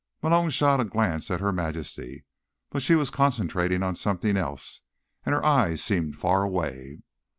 Malone shot a glance at Her Majesty, but she was concentrating on something else, and her eyes seemed far away.